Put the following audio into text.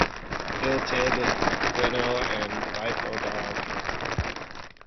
Illtyd, Gwynno, and Dyfodwg.